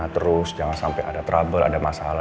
terus jangan sampai ada trouble ada masalah